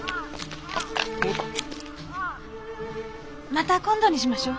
また今度にしましょう。